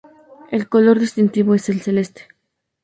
El color distintivo es el celeste.